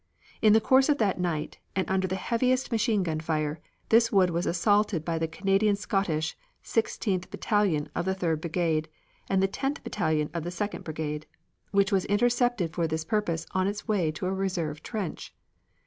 In the course of that night, and under the heaviest machine gun fire, this wood was assaulted by the Canadian Scottish, Sixteenth battalion of the Third brigade, and the Tenth battalion of the Second brigade, which was intercepted for this purpose on its way to a reserve trench.